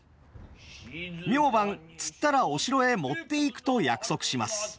明晩釣ったらお城へ持っていくと約束します。